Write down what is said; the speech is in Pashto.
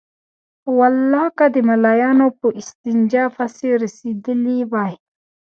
په والله که د ملايانو په استنجا پسې رسېدلي وای.